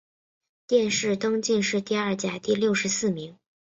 殿试登进士第二甲第六十四名。